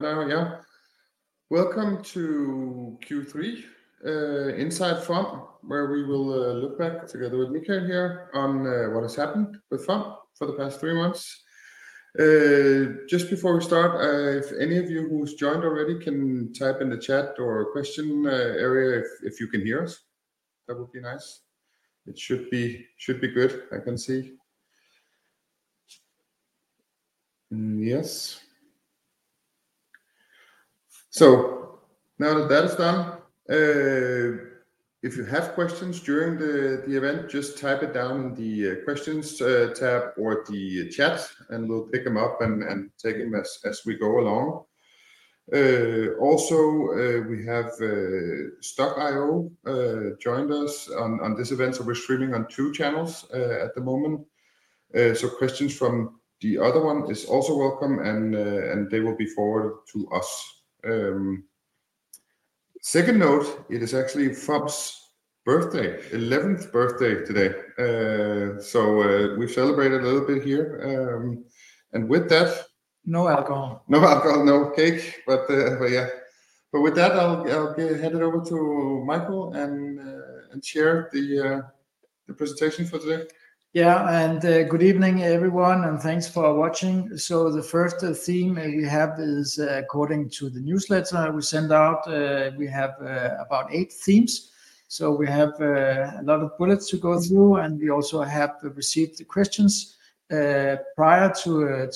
Now, hello. Welcome to Q3 Inside FOM, where we will look back together with Michael here on what has happened with FOM for the past three months. Just before we start, if any of you who's joined already can type in the chat or question area, if you can hear us, that would be nice. It should be good, I can see. Mm, yes. So now that that is done, if you have questions during the event, just type it down in the questions tab or the chat, and we'll pick them up and take them as we go along. Also, we have Stokk.io joined us on this event, so we're streaming on two channels at the moment. So questions from the other one is also welcome, and they will be forwarded to us. Second note, it is actually FOM's birthday, eleventh birthday today. So we celebrated a little bit here, and with that- No alcohol. No alcohol, no cake, but yeah. But with that, I'll hand it over to Michael and share the presentation for today. Yeah, and good evening, everyone, and thanks for watching. So the first theme we have is, according to the newsletter we send out, we have about eight themes. So we have a lot of bullets to go through, and we also have received the questions prior to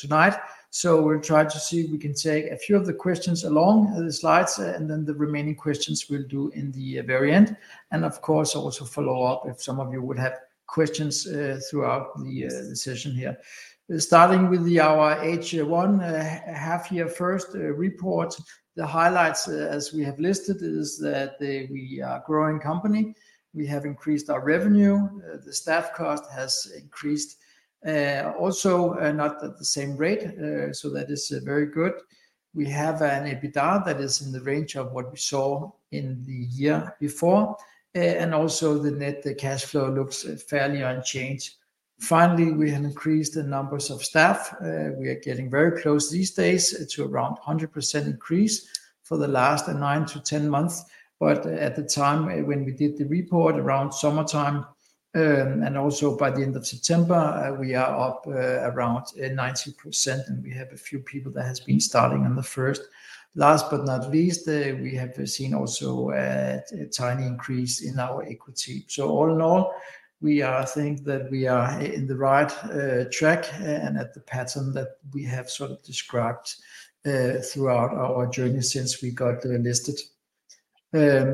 tonight. So we'll try to see if we can take a few of the questions along the slides, and then the remaining questions we'll do in the very end. And of course, also follow up if some of you would have questions throughout the session here. Starting with our H1 half-year first report, the highlights, as we have listed, is that we are a growing company. We have increased our revenue. The staff cost has increased, also, not at the same rate, so that is very good. We have an EBITDA that is in the range of what we saw in the year before, and also the net, the cash flow looks fairly unchanged. Finally, we have increased the numbers of staff. We are getting very close these days to around 100% increase for the last 9-10 months. But at the time when we did the report, around summertime, and also by the end of September, we are up, around 90%, and we have a few people that has been starting on the first. Last but not least, we have seen also, a tiny increase in our equity. So all in all, we are think that we are in the right track and at the pattern that we have sort of described throughout our journey since we got listed.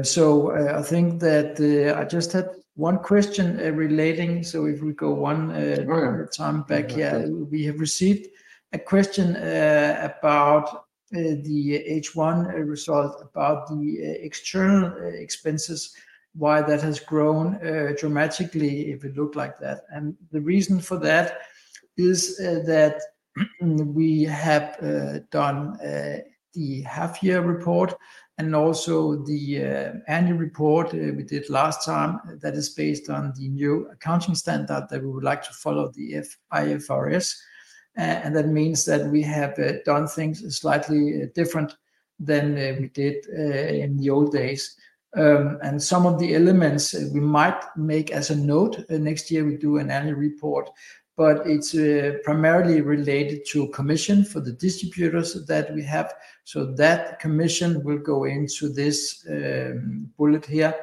So, I think that I just had one question relating. So if we go one time back, yeah. Yeah. We have received a question about the H1 result, about the external expenses, why that has grown dramatically, if it looked like that. The reason for that is that we have done the half-year report and also the annual report we did last time. That is based on the new accounting standard that we would like to follow, the IFRS. And that means that we have done things slightly different than we did in the old days. And some of the elements we might make as a note, next year we do an annual report, but it's primarily related to commission for the distributors that we have. So that commission will go into this bullet here,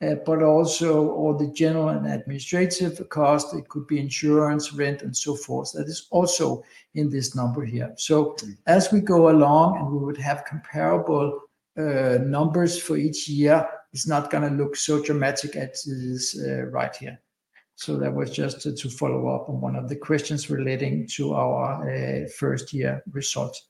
but also all the general and administrative cost, it could be insurance, rent, and so forth. That is also in this number here. So as we go along, and we would have comparable numbers for each year, it's not gonna look so dramatic as it is right here. So that was just to follow up on one of the questions relating to our first-year results.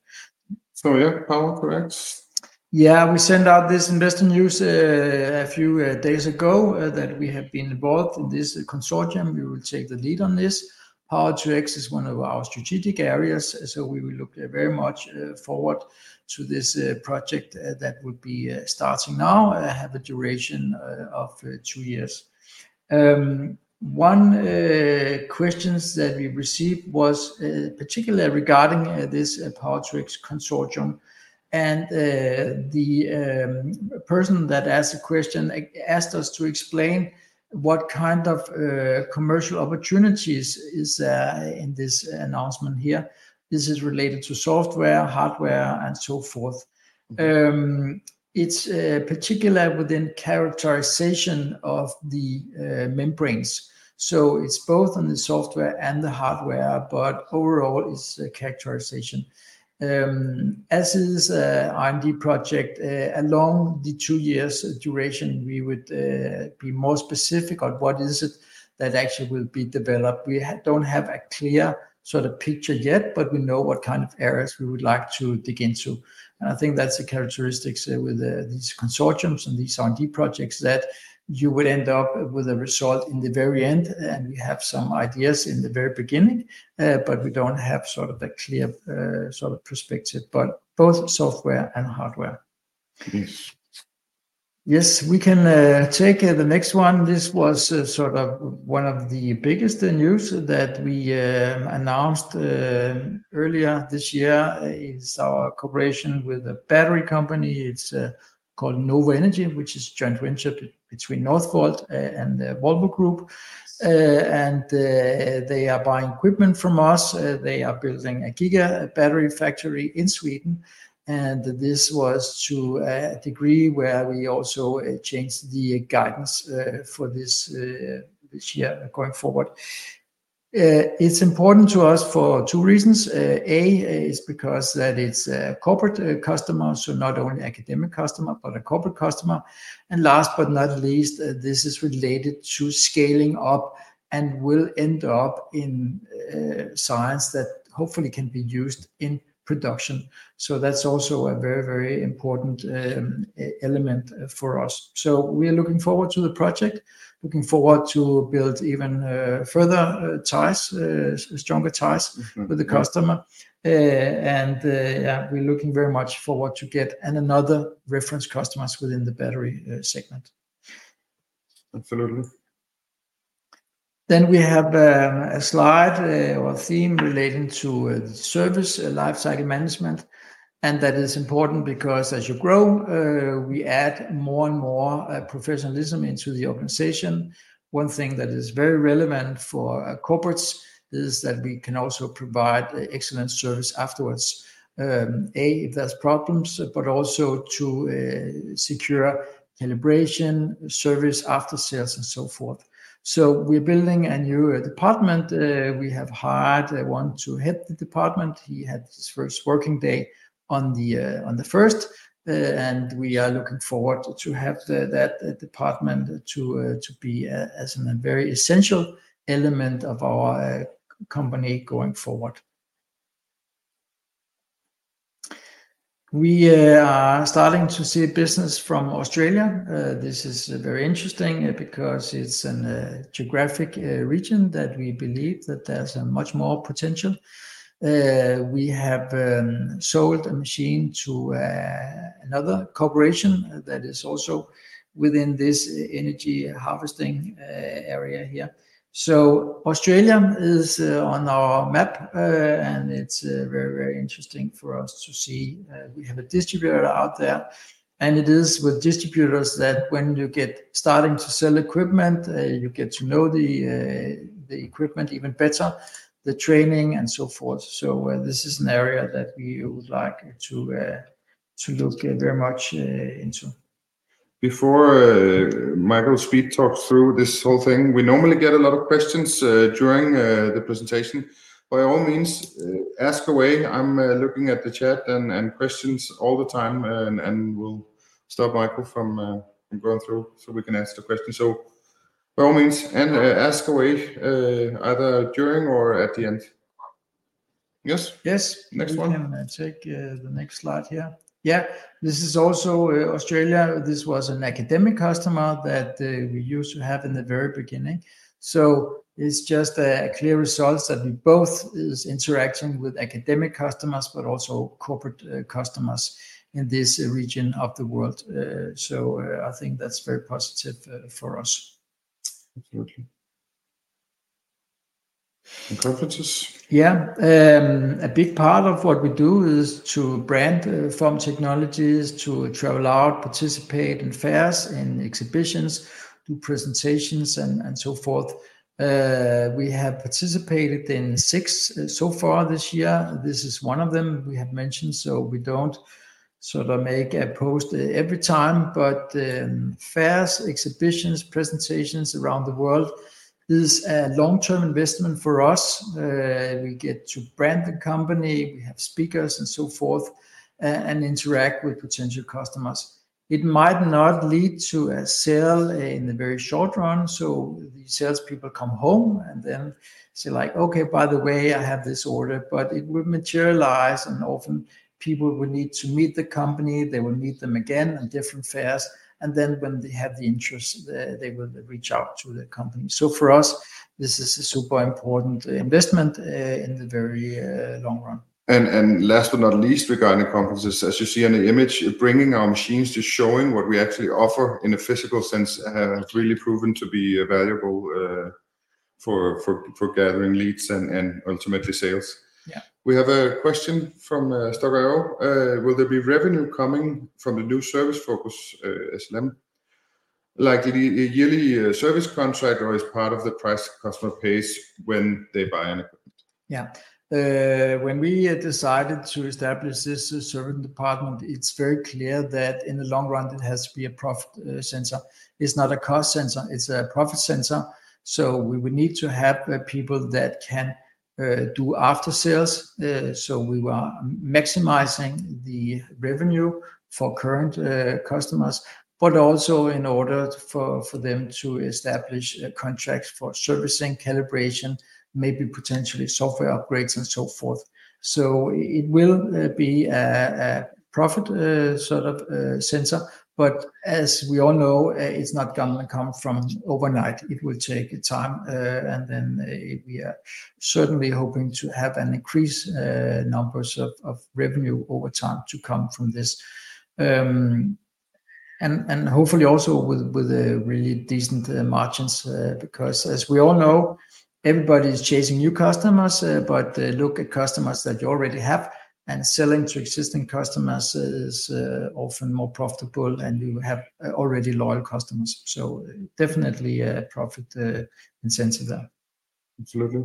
So, yeah, Power-to-X? Yeah, we sent out this investor news a few days ago that we have been involved in this consortium. We will take the lead on this. Power-to-X is one of our strategic areas, so we will look very much forward to this project that will be starting now, have a duration of two years. One questions that we received was particularly regarding this Power-to-X consortium. And the person that asked the question asked us to explain what kind of commercial opportunities is in this announcement here. This is related to software, hardware, and so forth. It's particular within characterization of the membranes, so it's both on the software and the hardware, but overall, it's a characterization. As is, R&D project, along the two years duration, we would be more specific on what is it that actually will be developed. We don't have a clear sort of picture yet, but we know what kind of areas we would like to dig into. And I think that's the characteristics with these consortiums and these R&D projects, that you would end up with a result in the very end, and we have some ideas in the very beginning, but we don't have sort of a clear sort of perspective, but both software and hardware. Yes. Yes, we can take the next one. This was sort of one of the biggest news that we announced earlier this year, is our cooperation with a battery company. It's called NOVO Energy, which is a joint venture between Northvolt and the Volvo Group. They are buying equipment from us. They are building a giga battery factory in Sweden, and this was to a degree where we also changed the guidance for this year going forward. It's important to us for two reasons. A is because it's a corporate customer, so not only academic customer, but a corporate customer. And last but not least, this is related to scaling up and will end up in science that hopefully can be used in production. So that's also a very, very important element for us. So we are looking forward to the project, looking forward to build even further ties, stronger ties- Mm-hmm... with the customer. And, yeah, we're looking very much forward to get another reference customers within the battery segment. Absolutely. Then we have a slide or a theme relating to Service Lifecycle Management, and that is important because as you grow, we add more and more professionalism into the organization. One thing that is very relevant for corporates is that we can also provide excellent service afterwards, if there's problems, but also to secure calibration, service, after sales, and so forth. So we're building a new department. We have hired one to head the department. He had his first working day on the first, and we are looking forward to have the that department to to be a as a very essential element of our company going forward. We are starting to see business from Australia. This is very interesting because it's a geographic region that we believe that there's a much more potential. We have sold a machine to another corporation that is also within this energy harvesting area here. So Australia is on our map, and it's very, very interesting for us to see. We have a distributor out there, and it is with distributors that when you get starting to sell equipment, you get to know the equipment even better, the training, and so forth. So, this is an area that we would like to look very much into. Before Michael's speech talks through this whole thing, we normally get a lot of questions during the presentation. By all means, ask away. I'm looking at the chat and questions all the time, and we'll stop Michael from going through, so we can ask the question. So by all means, ask away, either during or at the end. Yes? Yes. Next one. We can take the next slide here. Yeah, this is also Australia. This was an academic customer that we used to have in the very beginning. So it's just a clear results that we both is interacting with academic customers, but also corporate customers in this region of the world. So I think that's very positive for us. Absolutely. And conferences? Yeah. A big part of what we do is to brand FOM Technologies, to travel out, participate in fairs and exhibitions, do presentations, and so forth. We have participated in six so far this year. This is one of them we have mentioned, so we don't sort of make a post every time. But fairs, exhibitions, presentations around the world is a long-term investment for us. We get to brand the company, we have speakers and so forth, and interact with potential customers. It might not lead to a sale in the very short run, so the salespeople come home and then say like, "Okay, by the way, I have this order," but it will materialize, and often people will need to meet the company. They will meet them again on different fairs, and then when they have the interest, they will reach out to the company. So for us, this is a super important investment in the very long run. Last but not least, regarding the conferences, as you see in the image, bringing our machines to showing what we actually offer in a physical sense has really proven to be valuable for gathering leads and ultimately sales. Yeah. We have a question from Stokk.io: Will there be revenue coming from the new service focus, SLM? Like, a yearly service contract, or is part of the price customer pays when they buy in it? Yeah. When we decided to establish this service department, it's very clear that in the long run, it has to be a profit center. It's not a cost center, it's a profit center, so we would need to have people that can do after sales. So we are maximizing the revenue for current customers, but also in order for them to establish contracts for servicing, calibration, maybe potentially software upgrades, and so forth. So it will be a profit sort of center, but as we all know, it's not gonna come from overnight. It will take time, and then we are certainly hoping to have an increase numbers of revenue over time to come from this. Hopefully also with a really decent margins, because as we all know, everybody is chasing new customers, but they look at customers that you already have, and selling to existing customers is often more profitable, and you have already loyal customers. So definitely a profit incentive there. Absolutely.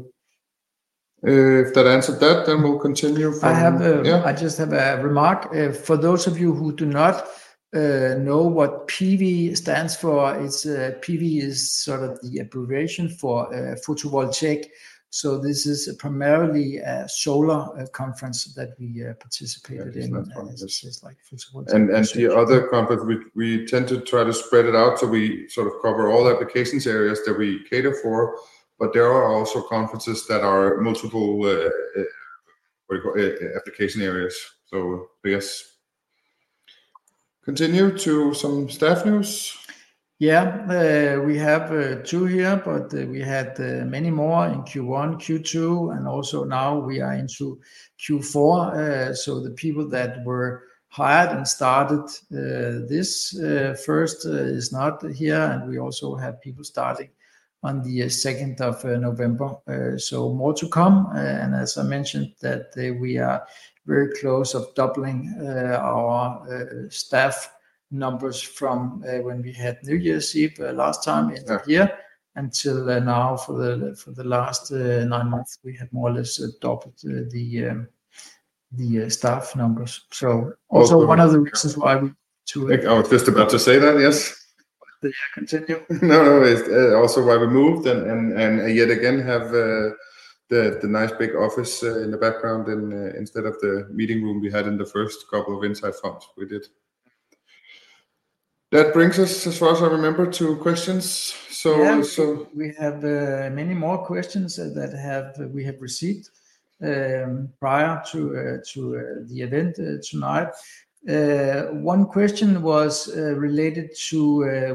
If that answered that, then we'll continue from- I have. Yeah. I just have a remark. For those of you who do not know what PV stands for, it's PV is sort of the abbreviation for photovoltaic. So this is primarily a solar conference that we participated in- Yeah, it is. It's just like photovoltaic. And the other conference, we tend to try to spread it out, so we sort of cover all the applications areas that we cater for. But there are also conferences that are multiple, what do you call it? Application areas. So I guess continue to some staff news. Yeah. We have two here, but we had many more in Q1, Q2, and also now we are into Q4. So the people that were hired and started this first is not here, and we also have people starting on the second of November. So more to come. And as I mentioned, that we are very close of doubling our staff numbers from when we had New Year's Eve last time. Yeah... in the year until now. For the last nine months, we have more or less doubled the staff numbers. So also one of the reasons why we to- I was just about to say that, yes. Continue. No, no. It's also why we moved and yet again have the nice big office in the background and, instead of the meeting room we had in the first couple of Inside FOMs we did. That brings us, as far as I remember, to questions. So- Yeah. So... We have many more questions that we have received prior to the event tonight. One question was related to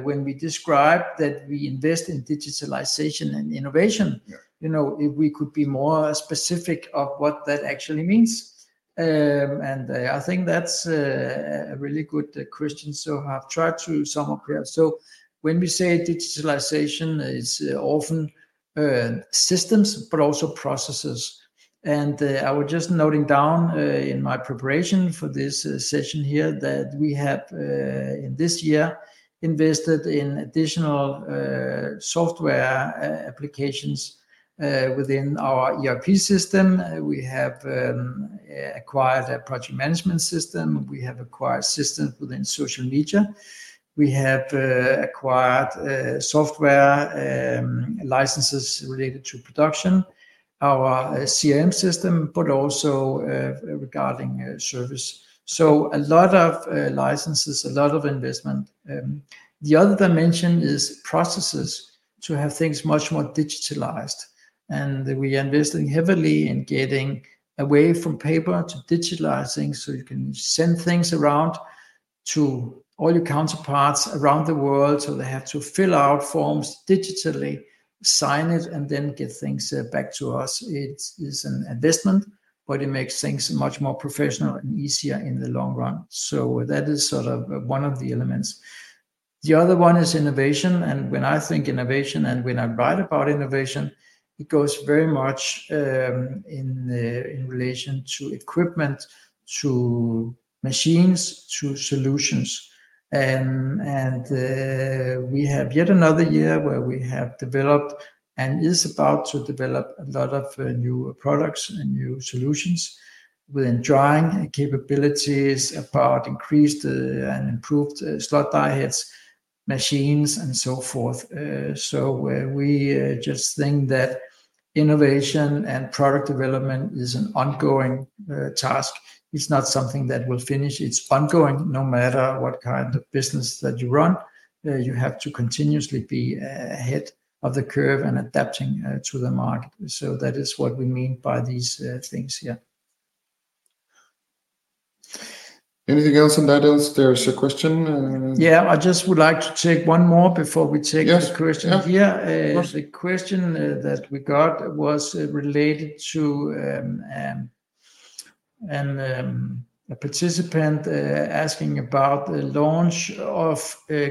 when we described that we invest in digitalization and innovation. Yeah. You know, if we could be more specific of what that actually means. I think that's a really good question, so I've tried to sum up here. When we say digitalization, it's often systems, but also processes. I was just noting down in my preparation for this session here that we have in this year invested in additional software applications within our ERP system. We have acquired a project management system. We have acquired systems within social media. We have acquired software licenses related to production, our CRM system, but also regarding service. So a lot of licenses, a lot of investment. The other dimension is processes to have things much more digitalized. We are investing heavily in getting away from paper to digitalizing, so you can send things around to all your counterparts around the world, so they have to fill out forms, digitally sign it, and then get things back to us. It is an investment, but it makes things much more professional and easier in the long run. So that is sort of one of the elements. The other one is innovation. When I think innovation, and when I write about innovation, it goes very much in relation to equipment, to machines, to solutions. And we have yet another year where we have developed and is about to develop a lot of new products and new solutions within drying capabilities, about increased and improved slot-die heads, machines, and so forth. So we just think that innovation and product development is an ongoing task. It's not something that will finish. It's ongoing, no matter what kind of business that you run, you have to continuously be ahead of the curve and adapting to the market. So that is what we mean by these things here. Anything else on that else? There is a question, Yeah, I just would like to take one more before we take the question here. Yes, yeah, of course. The question that we got was related to a participant asking about the launch of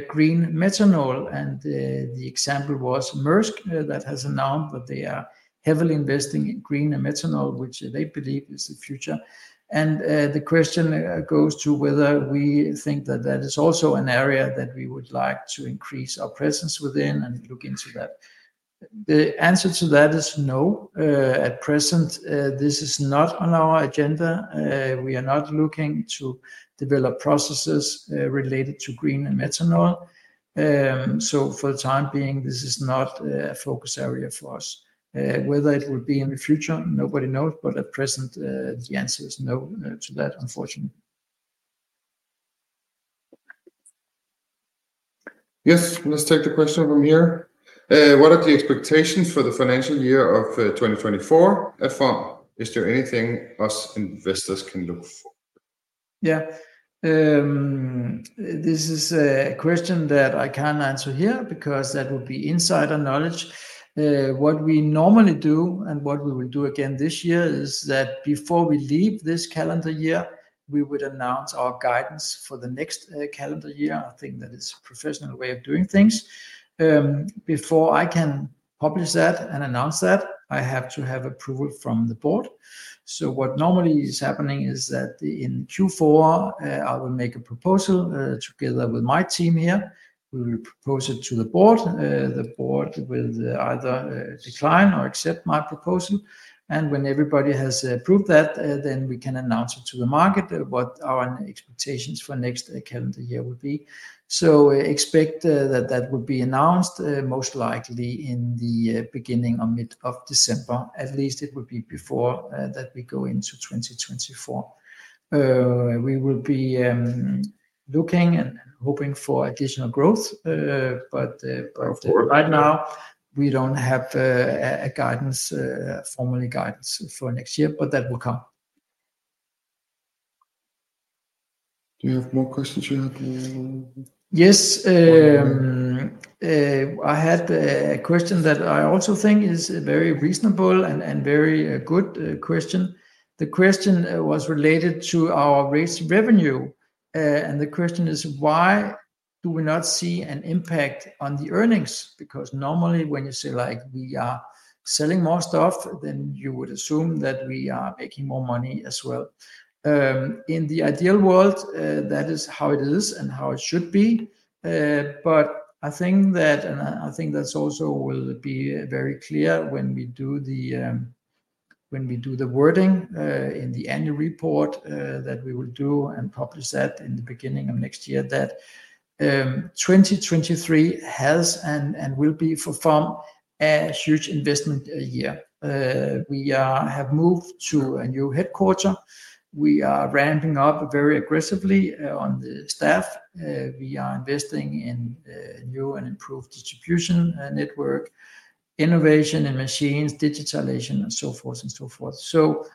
green methanol, and the example was Maersk that has announced that they are heavily investing in green methanol, which they believe is the future. The question goes to whether we think that that is also an area that we would like to increase our presence within and look into that? The answer to that is no. At present, this is not on our agenda. We are not looking to develop processes related to green methanol. So for the time being, this is not a focus area for us. Whether it will be in the future, nobody knows, but at present the answer is no to that, unfortunately. Yes. Let's take the question from here. "What are the expectations for the financial year of 2024 at FOM? Is there anything us investors can look for? Yeah. This is a question that I can't answer here, because that would be insider knowledge. What we normally do and what we will do again this year, is that before we leave this calendar year we would announce our guidance for the next calendar year. I think that is a professional way of doing things. Before I can publish that and announce that, I have to have approval from the board. So what normally is happening is that in Q4 I will make a proposal together with my team here. We will propose it to the board. The board will either decline or accept my proposal, and when everybody has approved that, then we can announce it to the market, what our expectations for next calendar year will be. Expect that that would be announced most likely in the beginning or mid of December. At least it would be before that we go into 2024. We will be looking and hoping for additional growth, but- Of course... right now, we don't have a formal guidance for next year, but that will come. Do you have more questions? Yes. I had a question that I also think is very reasonable and very good question. The question was related to our raised revenue, and the question is: "Why do we not see an impact on the earnings?" Because normally when you say, like, we are selling more stuff, then you would assume that we are making more money as well. In the ideal world, that is how it is and how it should be, but I think that that's also will be very clear when we do the wording in the annual report that we will do and publish that in the beginning of next year, that 2023 has and will be for FOM a huge investment year. We have moved to a new headquarters. We are ramping up very aggressively on the staff. We are investing in new and improved distribution network, innovation and machines, digitalization, and so forth and so forth. So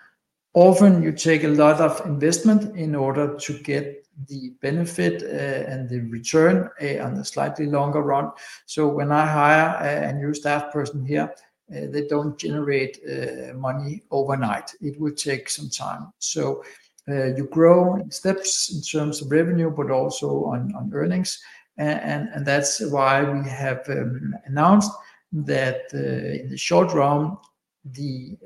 often you take a lot of investment in order to get the benefit and the return on the slightly longer run. So when I hire a new staff person here, they don't generate money overnight. It will take some time. So you grow in steps in terms of revenue, but also on earnings. And that's why we have announced that in the short run the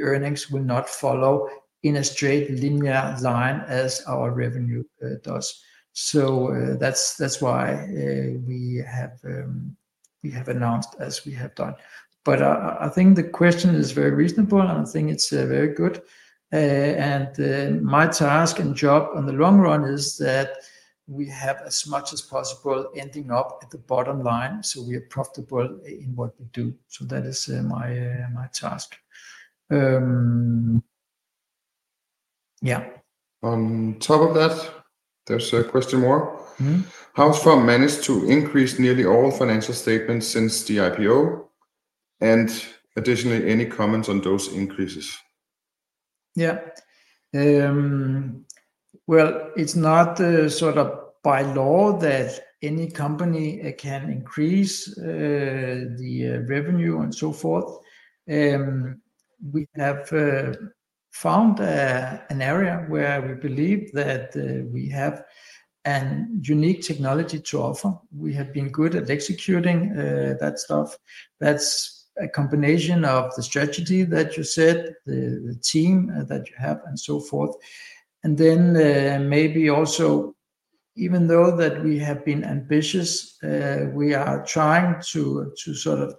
earnings will not follow in a straight linear line as our revenue does. That's why we have announced as we have done. But, I think the question is very reasonable, and I think it's very good. And my task and job on the long run is that we have as much as possible ending up at the bottom line, so we are profitable in what we do. So that is my task. Yeah. On top of that, there's a question more. Mm-hmm. How has FOM managed to increase nearly all financial statements since the IPO? Additionally, any comments on those increases? Yeah. Well, it's not sort of by law that any company can increase the revenue and so forth. We have found an area where we believe that we have a unique technology to offer. We have been good at executing that stuff. That's a combination of the strategy that you said, the team that you have, and so forth. And then, maybe also, even though that we have been ambitious, we are trying to sort of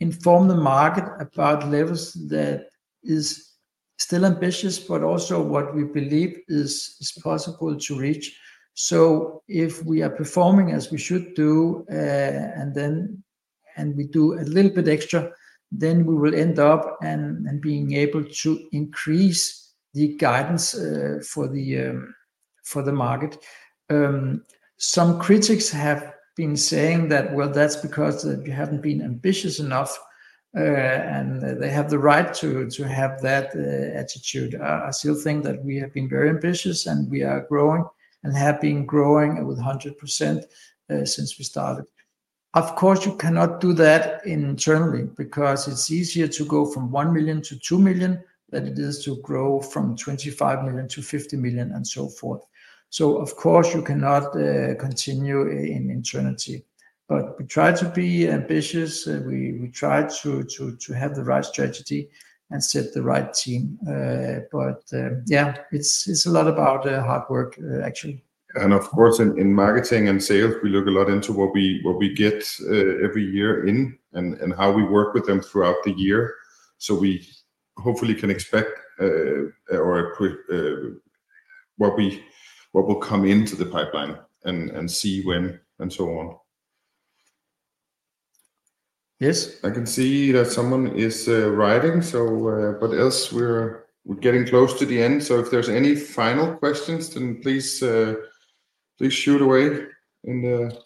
inform the market about levels that is still ambitious, but also what we believe is possible to reach. So if we are performing as we should do, and we do a little bit extra, then we will end up being able to increase the guidance for the market. Some critics have been saying that, "Well, that's because you haven't been ambitious enough," and they have the right to have that attitude. I still think that we have been very ambitious, and we are growing and have been growing with 100%, since we started. Of course, you cannot do that internally, because it's easier to go from 1 million to 2 million than it is to grow from 25 million to 50 million and so forth. So of course, you cannot continue in eternity, but we try to be ambitious, and we try to have the right strategy and set the right team. But yeah, it's a lot about hard work, actually. Of course, in marketing and sales, we look a lot into what we get every year in and how we work with them throughout the year. So we hopefully can expect or what will come into the pipeline and see when and so on. Yes, I can see that someone is writing, so but else we're getting close to the end. So if there's any final questions, then please shoot away in the...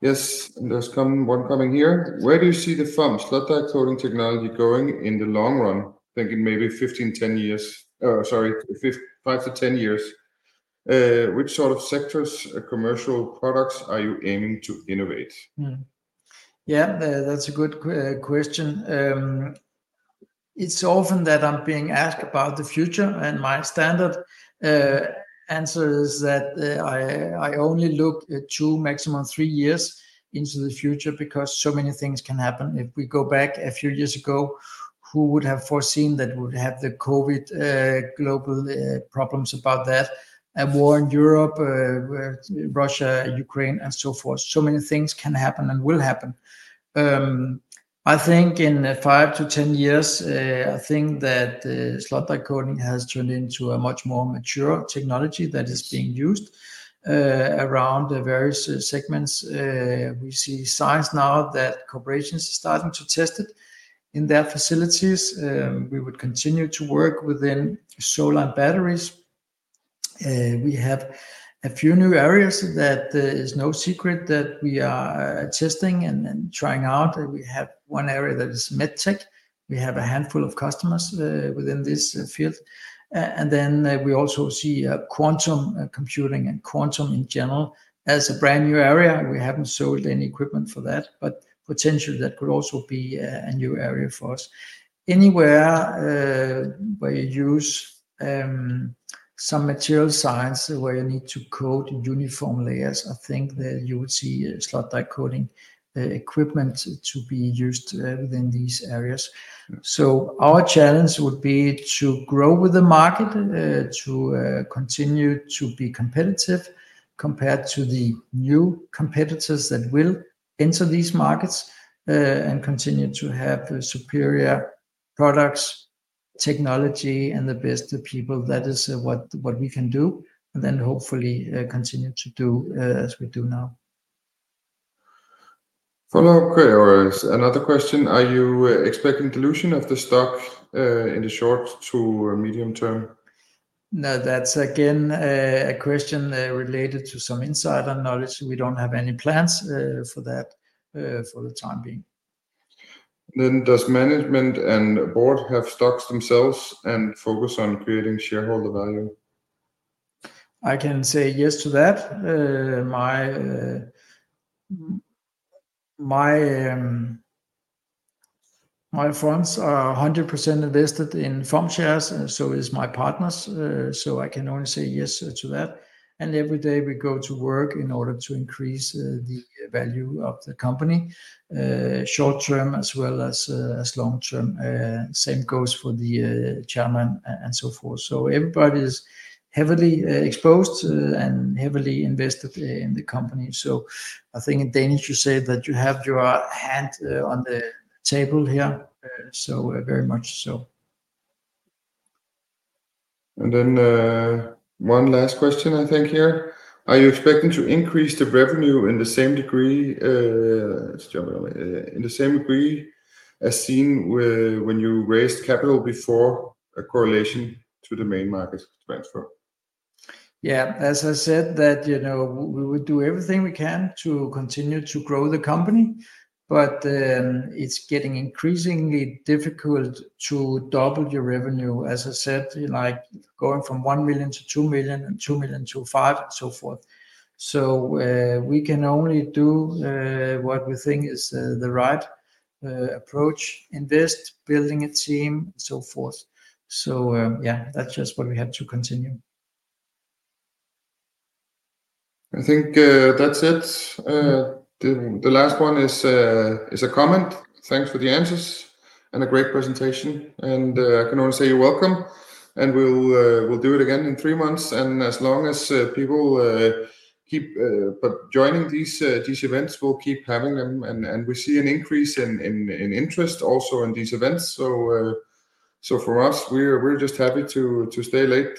Yes, and there's one coming here: Where do you see the FOM slot-die coating technology going in the long run, thinking maybe 15, 10 years? Sorry, 5-10 years. Which sort of sectors or commercial products are you aiming to innovate? Mm-hmm. Yeah, that's a good question. It's often that I'm being asked about the future, and my standard answer is that I only look at two, maximum three years into the future because so many things can happen. If we go back a few years ago, who would have foreseen that we would have the COVID global problems about that, a war in Europe, where Russia, Ukraine, and so forth? So many things can happen and will happen. I think in five to 10 years, I think that slot-die coating has turned into a much more mature technology that is being used around the various segments. We see signs now that corporations are starting to test it in their facilities. We would continue to work within solar and batteries. We have a few new areas that is no secret that we are testing and trying out. We have one area that is med tech. We have a handful of customers within this field. And then we also see quantum computing and quantum in general as a brand-new area. We haven't sold any equipment for that, but potentially that could also be a new area for us. Anywhere where you use some material science, where you need to coat in uniform layers, I think that you would see slot-die coating equipment to be used within these areas. So our challenge would be to grow with the market to continue to be competitive compared to the new competitors that will enter these markets and continue to have the superior products, technology, and the best people. That is, what, what we can do, and then hopefully, continue to do, as we do now. Follow-up query or another question: Are you expecting dilution of the stock, in the short to medium term? No, that's again a question related to some insider knowledge. We don't have any plans for that for the time being. Does management and board have stocks themselves and focus on creating shareholder value? I can say yes to that. My funds are 100% invested in FOM shares, and so is my partners. So I can only say yes to that. Every day we go to work in order to increase the value of the company, short term as well as long term. Same goes for the chairman and so forth. So everybody is heavily exposed to and heavily invested in the company. So I think in Danish, you say that you have your hand on the table here, so very much so. And then, one last question, I think, here. Are you expecting to increase the revenue in the same degree, generally, in the same degree as seen when you raised capital before, a correlation to the main market transfer? Yeah. As I said, that, you know, we would do everything we can to continue to grow the company, but, it's getting increasingly difficult to double your revenue. As I said, like going from 1 million to 2 million and 2 million to 5 million, and so forth. So, we can only do what we think is the right approach, invest, building a team, so forth. So, yeah, that's just what we have to continue. I think that's it. The last one is a comment. Thanks for the answers and a great presentation, and I can only say you're welcome, and we'll do it again in three months. And as long as people keep joining these events, we'll keep having them. And we see an increase in interest also in these events. So for us, we're just happy to stay late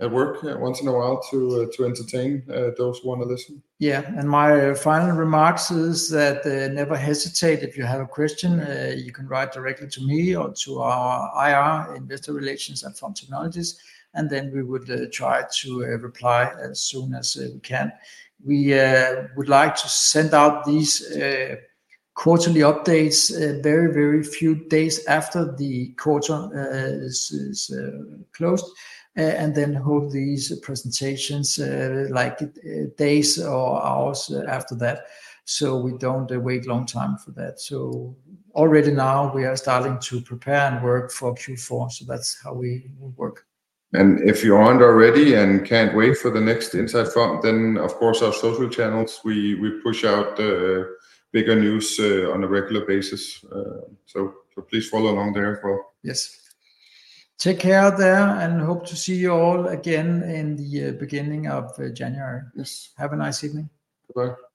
at work once in a while to entertain those who want to listen. Yeah. And my final remarks is that, never hesitate if you have a question, you can write directly to me or to our IR, investor relations at FOM Technologies, and then we would try to reply as soon as we can. We would like to send out these quarterly updates very, very few days after the quarter is closed, and then hold these presentations like days or hours after that, so we don't wait long time for that. So already now we are starting to prepare and work for Q4. So that's how we work. If you aren't already and can't wait for the next Inside FOM, then of course, our social channels, we push out bigger news on a regular basis. So please follow along there as well. Yes. Take care out there, and hope to see you all again in the beginning of January. Yes. Have a nice evening. Bye-bye.